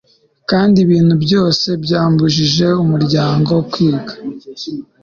kandi ibintu byose byambujije, umuryango, kwiga